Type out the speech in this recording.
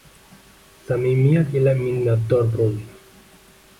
Samimiyat ila minnatdor bo’lding.